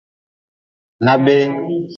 Na bee.